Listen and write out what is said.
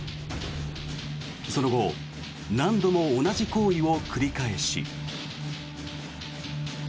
その後何度も同じ行為を繰り返し。